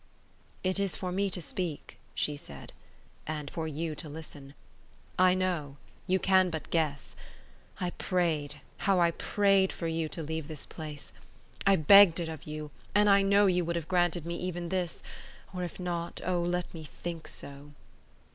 "It is for me to speak," she said, "and for you to listen. I know; you can but guess. I prayed, how I prayed for you to leave this place. I begged it of you, and I know you would have granted me even this; or if not, O let me think so!"